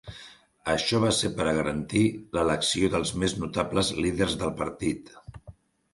Això va ser per a garantir l'elecció dels més notables líders del Partit.